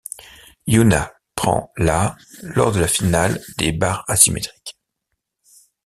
Youna prend la lors de la finale des barres asymétriques.